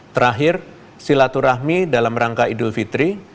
terakhir silaturahmi dalam rangka idul fitri